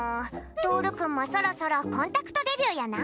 トオル君もそろそろコンタクトデビューやな。